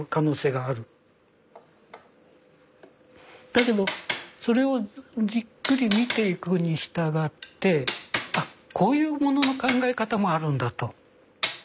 だけどそれをじっくり見ていくにしたがってこういうものの考え方もあるんだと。